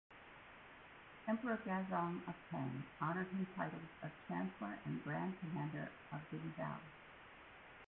Emperor Gaozong of Tang honored him titles of Chancellor and Grand Commander of Bingzhou.